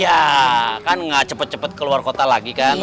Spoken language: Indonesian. ya kan gak cepet cepet keluar kota lagi kan